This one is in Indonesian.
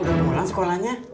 udah mulai sekolahnya